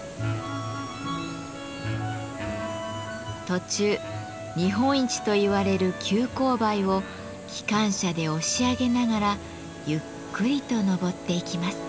途中日本一といわれる急勾配を機関車で押し上げながらゆっくりと登っていきます。